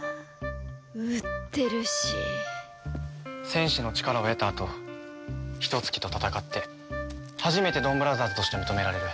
戦士の力を得たあとヒトツ鬼と戦って初めてドンブラザーズとして認められる。